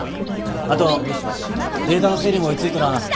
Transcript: あとデータの整理も追いついとらん。